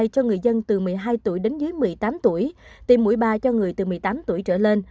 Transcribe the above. cho người dân từ một mươi hai tuổi đến dưới một mươi tám tuổi tiêm mũi ba cho người từ một mươi tám tuổi trở lên